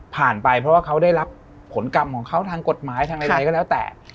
ไปเพราะว่าเขาได้รับผลกรรมของเขาทางกฎหมายทางใดก็แล้วแต่